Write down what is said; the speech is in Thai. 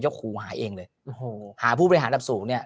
เจ้าครูหายเองเลยหาผู้บริหารดับสูงเนี่ย